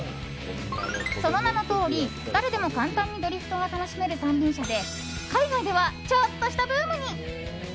その名のとおり、誰でも簡単にドリフトが楽しめる三輪車で海外では、ちょっとしたブームに。